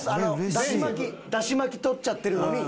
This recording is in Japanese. だし巻き取っちゃってるのに。